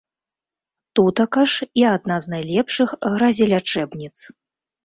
Тутака ж і адна з найлепшых гразелячэбніц.